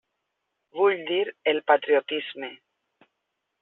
Vull dir el patriotisme.